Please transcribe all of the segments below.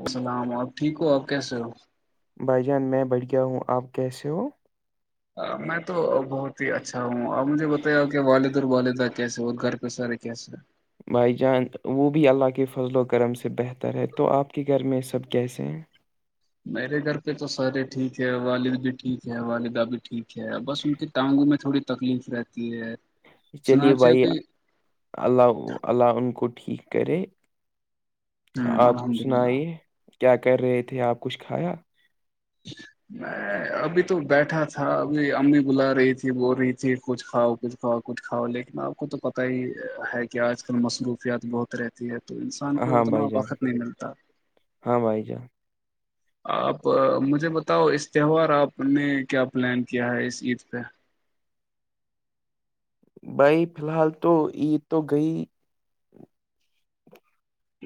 السلام آپ ٹھیک ہو آپ کیسے ہو بھائی جان میں بٹھ گیا ہوں آپ کیسے ہو میں تو بہت ہی اچھا ہوں اب مجھے بتایا ہو کہ والد اور والدہ کیسے اور گھر پہ سر اوھ سر [unintelligible] بھائی جان وہ بھی اللہ کے فضل و کرم سے بہتر ہے تو آپ کے گھر میں سب کیسے ہیں میرے گھر پہ تو سارے ٹھیک ہے والد بھی ٹھیک ہے والدہ بھی ٹھیک ہے بس ان کے ٹانگوں میں تھوڑی تکلیف رہتی ہے یار چلیے بھائی اللہ اللہ ان کو ٹھیک کرے ہ آپ الحمد للہ سنائیے کیا کر رہے تھے آپ کچھ کھایا [inaudible] [inaudible] میں ابھی تو بیٹھا تھا ابھی امی بلا رہی تھی بول رہی تھی کچھ کھاؤ کچھ کھاؤ کچھ کھاؤ لیکن آپ کو تو پتہ ہی ہے کہ آج کل مصروفیات بہت رہے تو انسان کو ہاں اتنا بھائی جان وقت نہیں ملتا ہاں بھائی جان آپ مجھے بتاؤ اس تہوار آپ نے کیا پلان کیا ہے اس عید پہ بھائی فی الحال تو عید تو گئی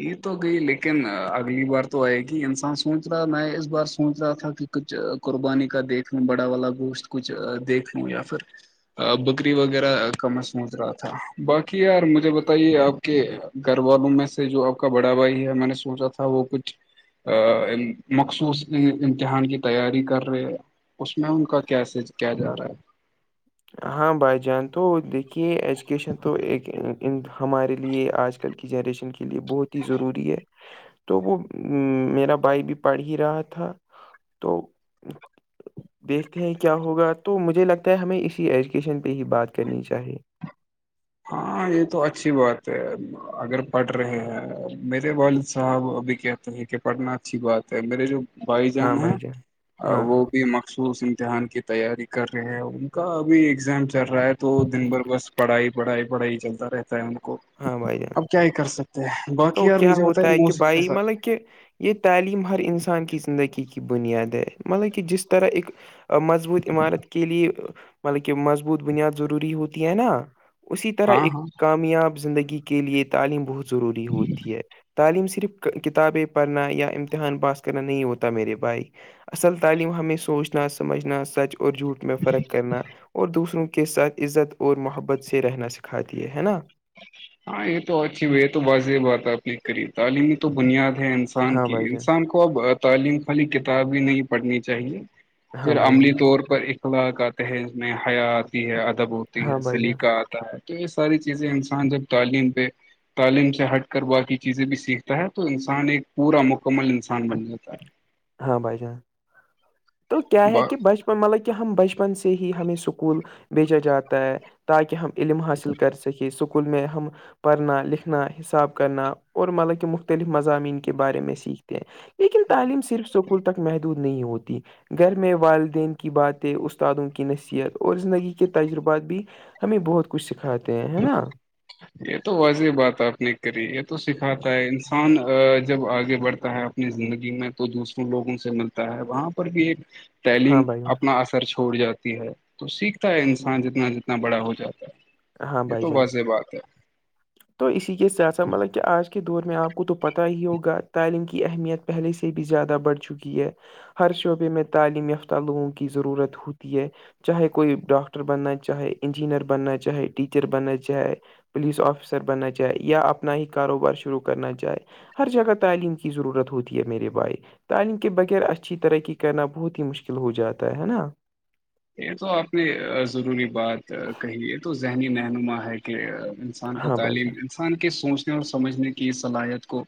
یہ تو گئی لیکن اگلی بار تو آئے گی انسان سوچ رہا میں اس بار سوچ رہا تھا کہ کچھ قربانی کا دیکھ لوں بڑا والا گوشت کچھ دیکھ لوں یا پھر بکری وغیرہ کامسمچ رہا تھا باقی یار مجھے بتائیے آپ کہ گھر والوں میں سے جو آپ کا بڑا بھائی ہے میں نے سوچا تھا وہ کچھ مخصوص امتحان کی تیاری کر رہے ہیں اس میں ان کا کیس کیا جا رہا ہے ہاں بھائی جان تو دیکھیے ایجوکیشن تو ایک ہمارے لیے آج کل آج کل کی جنریشن کے لیے بہت ہی ضروری ہے تو وہ میرا بھائی بھی پڑھ ہی رہا تھا تو دیکھتے ہیں کیا ہوگا تو مجھے لگتا ہے ہمیں اسی ایجوکیشن پہ ہی بات کرنی چاہیے ہاں یہ تو اچھی بات ہے اگر پڑھ رہے ہیں میرے والد صاحب ابھی کیا تو یہ کہ پڑھنا اچھی بات ہے میرے جو بھائی ہاں جان بھائی ہے ہاں ہاں وہ بھی مخصوص امتحان کی تیاری کر رہے ہیں ان کا ابھی ایگزام چل رہا ہے تو دن بھر بس پڑھائی بڑھائی بڑھائی چلتا رہتا ہےا ہاں بھائی جان اب کیا یہ کر سکتے ہیں باقی تو یار کیا مجھے ہوتا ہے بتائیے کہ موسم کے بھائی ساتھ مطلب کہ یہ تعلیم ہر انسان کی زندگی کی بنیاد ہے مطلب کہ جس طرح ایک مضبوط عمارت کے لیے مطلب کہ مضبوط بنیاد ضروری ہوتی ہے نا اسی طرح ہاں ایک ہاں کامیاب زندگی کے لیے تعلیم بہت ضروری ہوتی ہے تعلیم صرف کتابیں پڑھنا یا امتحان پاس کرنا نہیں ہوتا میرے بھائی اصل تعلیم ہمیں سوچنا سمجھنا سچ اور جھوٹ میں فرق کرنا اور دوسروں کے ساتھ عزت اور محبت سے رہنا سکھاتی ہے نا ہاں یہ تو اچھی یہ تو واضح بات ہے اپنے قریب تعلیمی تو بنیاد ہے انسان ہاں کی بھائی جان انسان کو اب تعلیم خالی کتاب بھی نہیں پڑھنی چاہیے ہاں پھر بھائی عملی جان طور پر اخلاق کا تہز میں حیا آتی ہے ادب و تی ہاں ہے بھائی جان سلیقہ آتا ہے تو یہ ساری چیزیں انسان جب تعلیم پہ تعلیم سے ہٹ کر باقی چیزیں بھی سیکھتا ہے تو انسان ایک پورا مکمل انسان بن جاتا ہے ہاں بھائی جان تو کیا ہے با کہ ب مطلب کہ ہم بچپن سے ہی ہمیں اسکول بھیجا جاتا ہے تاکہ ہم علم حاصل کر سکے اسکول میں ہم پڑھنا لکھنا حساب کرنا اور مطلب کہ مختلف مضامین کے بارے میں سیکھتے ہیں لیکن تعلیم صرف اسکول تک مہد نہیں ہوتی گھر میں والدین کی باتیں استادوں کی نصیحت اور زندگی کے تجربات بھی ہمیں بہت کچھ سکھاتے ہیں ہے نا اچھ یہ تو واضح بات آپ نے کری یہ تو سکھاتا ہے انسان جب آگے بڑھتا ہے اپنی زندگی میں تو دوسروں لوگوں سے ملتا ہے وہاں پر بھی ایک ہاں تعلیم بھائی جان اپنا اثر چھوڑ جاتی ہے تو سیکھتا ہے انسان جتنا جتنا بڑا ہو جاتا ہے ہاں یہ بھائی تو جان ویسے بات ہے تو اسی کے ساتھ ساتھ مطلب کہ آج کے دور میں آپ کو تو پتہ ہی ہوگا تعلیم کی اہمیت پہلے سے بھی زیادہ بڑھ چکی ہے ہر شعبے میں تعلیم یافتہ لوگوں کی ضرورت ہوتی ہے چاہے کوئی ڈاکٹر بننا چاہے انجینئر بننا چاہے ٹیچر بننا چاہے پولیس آفسر افسر بننا چاہے یا اپنا ہی کاروبار شروع کرنا چاہے ہر جگہ تعلیم کی ضرورت ہوتی ہے میرے بھائی تعلیم کے بغیر اچھی طرقی کرنا بہت ہی مشکل ہو جاتا ہے نا یہ تو آپ نے ضروری بات کہی یہ تو ذہنی رہنما ہے کہ ان انسان کو ہاں بھائی تعلیم جان انسان کے سوچنے اور سمجھنے کی صلاحیت کو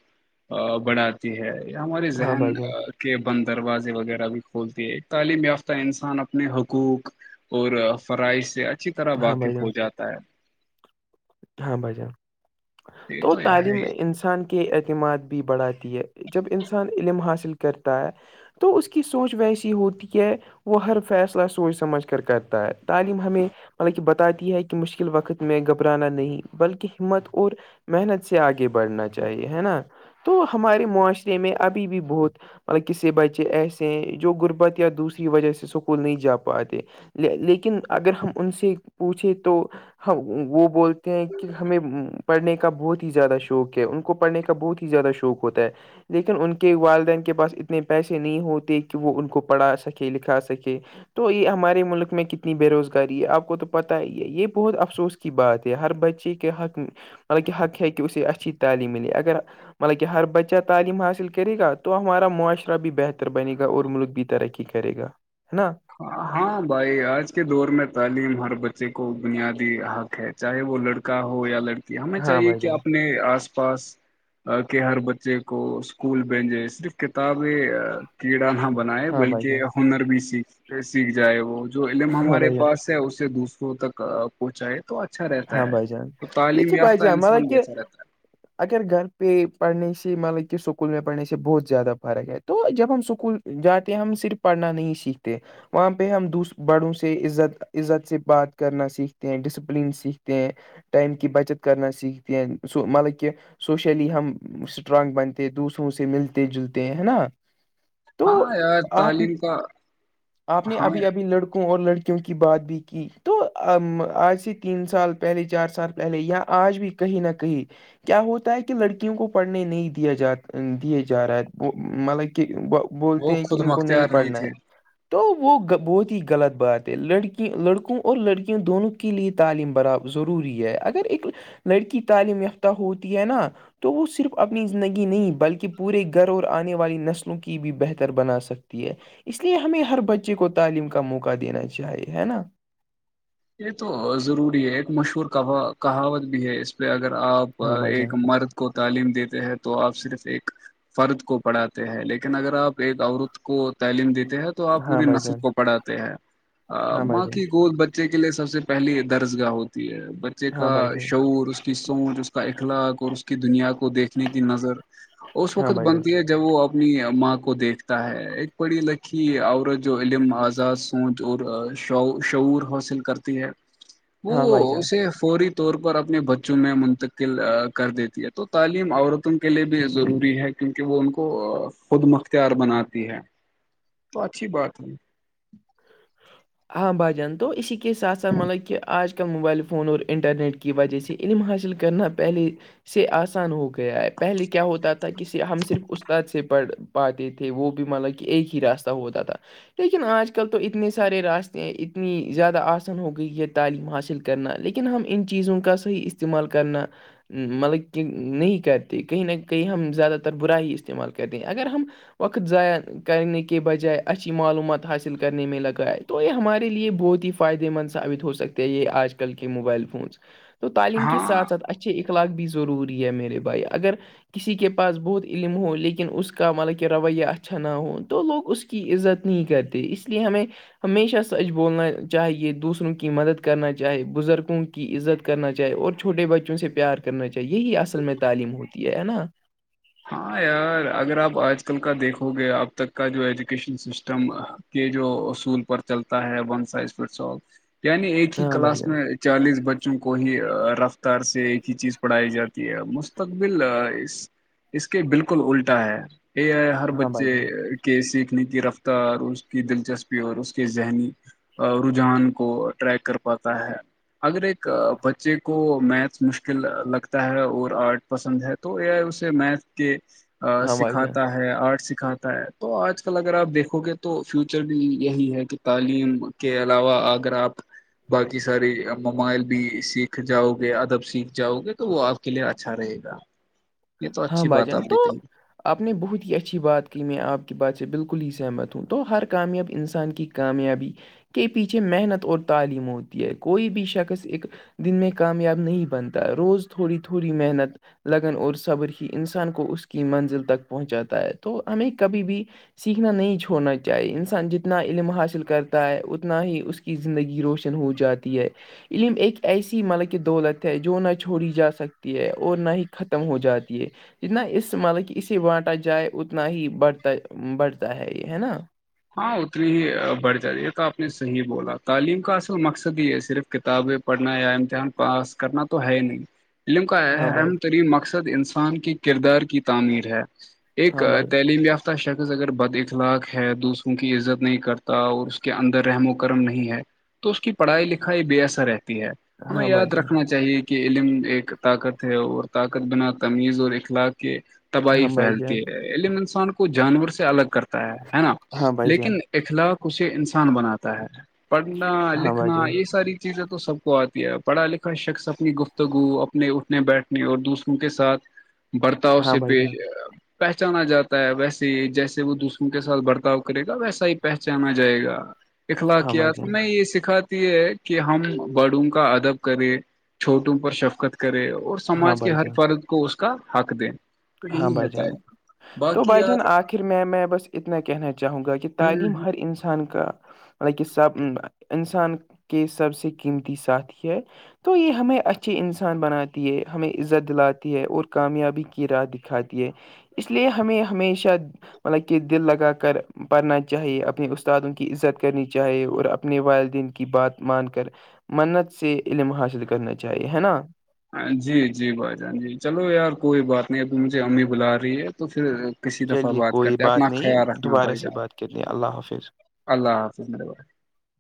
بڑھاتے ہے یا ہماراری ہاں ذہن بھائی جان کے بند دروازے وغیرہ بھی کھولتی ہے تعلیم یافتہ انسان اپنے ح کوک اور فرائی سے اچھی طرح ہاں بھائی واقف جان ہو جاتا ہے ہاں بھجان یہ تو ہے ہی تعلیم انسان کے بڑھاتی ہے جب انسان علم حاصل کرتا ہے تو اس کی سوچ ویسی ہوتی ہے وہ ہر فیصلہ سوچ سمجھ کر کرتا ہے تعلیم ہمیں مطلب کہ بتاتی ہے کہ مشکل وقت میں گھبرانا نہیں بلکہ ہمت اور محنت سے آگے بڑھنا چاہیے ہے نا تو ہمارے معاشرے میں ابھی بھی بہت مطلب کسی بچے ایسے ہیں جو غربت یا دوسری وجہ سے سکول نہیں جا پاتے لیکن اگر ہم ان سے پوچھے تو ہم وہ بول کہ ہمیں پڑھنے کا بہت ہی زیادہ شوق ہے ان کو پڑھنے کا بہت ہی زیادہ شوق ہوتا ہے لیکن ان کے والدین کے پاس اتنے پیسے نہیں ہوتے کہ وہ ان کو پڑھا سکے لکھا سکے تو یہ ہمارے ملک میں کتنی بے روزگاری ہے آپ کو تو پتہ ہی ہے یہ بہت افسوس کی بات ہے ہر بچے کے حق مطلب کہ حق ہے کہ اسے اچھی تعلیم ملے اگر مطلبک ہر بچہ تعلیم حاصل کرے گا تو ہمارا معاشرہ بھی بہتر بنے گا اور ملک بھی ترقی کرے گا ہے نا ہاں بھائی آج کے دور میں تعلیم ہر بچے کو بنیادی حق ہے چاہے وہ لڑکا ہو یا لڑکی ہمیں ہاں چاہیے بھائی کہ جان اپنے آس پاس کہ ہر بچے کو اسکول بھیجے صرف کتابیں کیڑا نہ بنائے ہاں بھائی جان بلکہ ہنر بھی سیکھ سیکھ جائے وہ جو علم ہاں ہمارے بھائی جان پاس ہے اسے دوسروں تک پہنچائے تو اچھا رہتا ہاں ہے بھائی جان تو تعلیم دیکھیے بھائی یافتہ جان مطلب انسان کہ بہتر رہتا ہے اگر گھر پ پڑھنے سے مطلب کہ سکول میں پڑھنے سے بہت زیادہ فرق ہے ہے تو جب ہم اسکول جاتے ہیں ہم صرف پڑھنا نہیں سیکھتے وہاں پہ ہم دوس بڑوں سے عزت عزت سے بات کرنا سیکھتے ہیں ڈسپلین سیکھ ہیں ائم کی بچت کرنا سیکھتے ہیں س مطلب کہ سوشلی ہم اسٹرانگ بنتے دوسروں سے ملتے جلتے ہیں ہے نا تو ہاں یار آپ تعلیم کا آپ نے ہاں ابھی ابھی لڑکوں اور لڑکی کی بات بھی کی تو آج سے تین سال پہلے چار سال پہلے یا آج بھی کہیں نہ کہیں کیا ہوتا ہے کہ لڑکیوں کو پڑھنے نہیں دیا جا دیے جا رہا ہے مطلب کہ وہ بولتے ہیں کہ خود ان کو نہیں مختار پڑھنا تھے ہے تو وہ بہت ہی غلط بات ہے لڑکی لڑکوں اور لڑکیاوںں دونوں کے لئے تعلیم برابر ضروری ہے اگر ایک لڑکی تعلیم یافتہ ہوتی ہے نا تو وہ صرف اپنی زندگی نہیں بلکہ پورے گھر اور آنے والی نسلوں کی بھی بہتر بنا سکتی ہے اس لیے ہمیں ہر بچے کو تعلیم کا موقع دینا چاہیے ہے نا یہ تو ضروری ہے ایک مشہور کہ کہاوت بھی ہے اس پہ اگر آپ ہاں بھائی جان ایک مرد کو تعلیم دیتے ہیں تو آپ صرف ایک فرد کو پڑھاتے ہیں لیکن اگر آپ ایک عورت کو تعلیم دیتے ہیں تو تو آپ ہاں پوری بھائی جان نسب کو پڑھاتے ہیں ہاں بھائی ماں جان کی گول بے بچے کے لیے سب سے پہلی درس گاہ ہوتی ہے بچے ہاں کا بھائی جان شعور اس کی سوچ اس کا اخلاق اور اس کی دنیا کو دیکھنے کی نظر اس ہاں وقت بھائی جان بنتی ہے جب وہ اپنی ماں کو دیکھتا ہے ایک پڑی لکھی عورت جو علم آزاز شعور حاصل کرتی ہے ہاں بھائی وہ جان اسے فوری طور پر اپنے بچوں میں منتقل کر دیتی ہے تو تعلیم عورتوں کے لیے بھی ضروری ہے کہ کیونکہ وہ ان کو خود مختار بناتی ہے تو اچھی بات ہے آہ بھا جان تو اسی کے ساتھ ساتھ مطلب کہ آج کل موبائل فون اور انٹرنیٹ کی وجہ سے علم حاصل کرنا پہلے سے آسان ہو گیا ہے پہلے کیا ہوتا تھا کہ ہم صرف استاد سے پڑھ پاتے تھے وہ بھی مطلب کہ ایک ہی راستہ ہوتا تھا لیکن آج کل تو اتنے سے سارے راستے اتنی زیادہ آسن ہو گئی ہے تعلیم حاصل کرنا لیکن ہم ان چیزوں کا صحیح استعمال کرنا مطلب کہ نہیں کرتے کہیں نہ کہیں ہم زیادہ تر برا ہی استعمال کرتے ہیں اگر ہم وقت ضائع کرنے کے بجائے اچھی معلومات حاصل کرنے میں لگا تو یہ ہمارے لیے بہت ہی فائدے مند ثابت ہو سکتے ہیں یہ آج کل کے موبائل فونس تو تعلیم کے ہاں ساتھ ساتھ اچھے اخلاق بھی ضروری ہے میرے بھائی اگر کسی کے پاس بہت علم ہو لیکن اس کا مطلب کہ رویہ اچھا نہ ہو تو لوگ اس کے کی عزت نہیں کرتے اس لیے ہمیں ہمیشہ سچ بولنا چاہے یہ دوسروں کی مدد کرنا چاہے بزرگوں کی عزت کرنا چاہی اور چھوٹے بچوں سے پیار کرنا چاہے یہی اصل میں تعلیم ہوتی ہے نا ہاں یار اگر آپ آج کل کا دیکھو گے اب تک کا جو ایجوکیشن سسٹم کے جو اصول پر چلتا ہے ون سائز فٹ سال یعنی ایک ہی ہاں بھائی کلاس جان میں چالیس بچوں کو ہی رفتار سے ایک ہی چیز پڑھائی جاتی ہے مستقبل اس اس کے بالکل الٹا ہے یہ ہے ہر ہاں بھائی بچے جان کے سیکھنے کی رفتار اور اس کی دلچسپی اور اس کے ذہنی رجحان کو ٹریک کر پاتا ہے اگر ایک بچے کو میتھس مشکل لگتا ہے اور آرٹ پسند ہے تو یہ اس میتھ کے ہاں بھائی جان سکھاتا ہے ہے آرٹ سکھاتا ہے تو آج کل اگر آپ دیکھو گے تو فیوچر بھی یہی ہے کہ تعلیم کے علاوہ اگر آپ باقی ساریے ممائل بھی سیکھ جاؤ گے ادب سیکھ جاؤ گے تو وہ آپ کے لیے اچھا رہے گا یہ تو ہاں اچھی بات بھجن آپ تو نے کہی آپ نے بہت ہی اچھی بات کی میں آپ کی بات سے بالکل ہی سہمت ہوں تو ہر کامیاب انسان کی کامیابی کے پیچھے محنت اور تعلیم ہوتی ہے کوئی بھی شخص ایک دن میں کامیاب نہیں بنتا روز تھوڑی تھوڑی محنت لگن اور صبر انسان کو اس کی منزل تک پہنچاتا ہے تو ہمیں کبھی بھی سیکھنا نہیں چھوڑنا چاہیے انسان جتنا علم حاصل کرتا ہے اتنا ہی اس کے کی زندگی روشن ہو جاتی ہے علم ایک ایسی ملک دولت ہے جو نہ چھوڑی جا سکتی ہے اور نہ ہی ختم ہو جات کہ جتنا اس مطلب کہ اسے بانٹا جائے اتنا ہی بڑھتا بڑھتا ہے یہ ہے نا ہاں اتنی ہی بڑھ جاتی یہ تو آپ نے صحیح بولا تعلیم کا اصل مقصد ہی ہے صرف کتابیں پڑھنا یا امتحان پاس کرنا تو ہے نہیں علم کا ہاں بھائی اہم ترین مقصد انسان کے کردار کی تعمیر ہے ایک ہاں بھائی تعلیم یافتہ شخص اگر بد اخلاق ہے دوسر کیونکہ عزت نہیں کرتا اور اس کے اندر رحم و کرم نہیں ہے تو اس کی پڑھائی لکھائی بے اثر رہتی ہے ہمیں ہاں بھائی یاد جان رکھنا چاہیے کہ کہ علم ایک طاقت ہے اور طاقت بنا تمیز اور اخلاق کے تباہی ہاں بھائی پھیلتی جان ہے علم انسان کو جانور سے الگ کرتا ہے ہے نا ہاں بھائی جان لیکن اخلاق اسے انسان بناتا ہے پڑھنا ہاں بھائی لکھنا جان یہ ساری چیزیں تو سب کو آتی ہے پڑھا لکھا شخص اپنی گفتگو اپنے اٹھنے بیٹھنے اور دوسروں کے ساتھ برتاؤ ہاں سے بھائی جان پیش پہچانا جاتا ہے ویسے ہی جیسے وہ دوسروں کے ساتھ برتاؤ کرے گا ویسا ہی پہچانا جائے گا ہاں اخلاق کیا بھائی جان نے یہ سیکھا کہ ہم بڑوں کا ادب کرے چھوٹوں پر شفقت کرے اور ہاں سماج کے بھائی ہر جان فرد کو اس کا حق دے تو ہاں یہی رہتا ہے باقی یار پھر میں میں بس اتنا کہنا چاہوں گا کہ ہوں تعلیم ہر انسان کا مطل کہ سب انسان کے سب سے قیمتی سات ہی ہے تو یہ ہمیں اچھے انسان بناتی ہے ہمیں عزت دلاتی ہے اور کامیابی راہ دکھاتی ہے اس لیے ہمیں ہمیشہ مطلب کہ دل لگا کر پڑھنا چاہیے اپنے استادوں کی عزت کرنی چاہی اور اپنے والدین کی بات مان کر منت سے علم حاصل کرنا چاہیے ہے نا جی جی بھائی جان جی چلو یار کوئی بات نہیں ابھی مجھے امی بلا رہی ہے تو پھر کسی دفعہ چلیے بات کوئی کرتے اپنا نہیں خیال رکھنا دوبارہ بھائی سے جان بات کرتے ہیں اللہ حافظ اللہ حافظ